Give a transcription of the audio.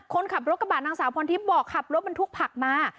คนขับรถกระบะนางสาวพรทิพย์บอกขับรถบรรทุกผักมา